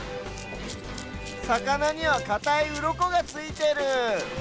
さかなにはかたいうろこがついてる。